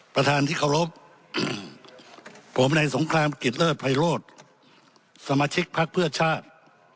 ประธานที่เคารพผมในสงครามกิจเลิศภัยโรธสมาชิกภักดิ์เพื่อชาติ